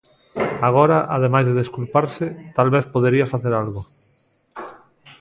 Agora, ademais de desculparse, tal vez podería facer algo.